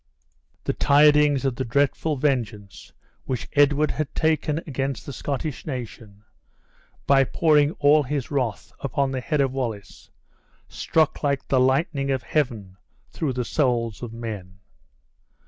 The tidings of the dreadful vengeance which Edward had taken against the Scottish nation, by pouring all his wrath upon the head of Wallace, struck like the lightning of heaven through the souls of men.